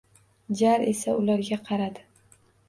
Jar esa ularga qaradi...